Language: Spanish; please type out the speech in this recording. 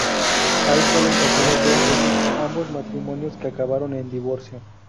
Ha estado casada dos veces, ambos matrimonios que acabaron en divorcio.